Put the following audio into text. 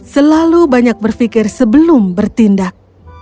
selalu banyak berpikir sebelum bertindak